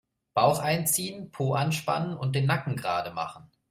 Bauch einziehen, Po anspannen und den Nacken gerade machen.